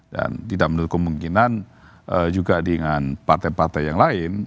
dan tidak menurut kemungkinan juga dengan partai partai yang lain